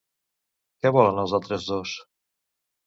Què volen els altres dos?